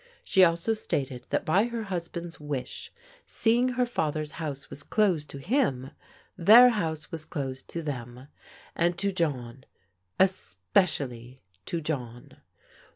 She also stated that by her husband's wish^ seeing her father's house was closed to him, their house was closed to them, and to John — especially to John.